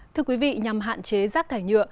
thưa quý vị nhằm hạn chế rác thải nhựa